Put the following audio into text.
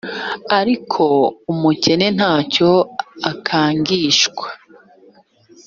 ariko umukene nta cyo akangishwa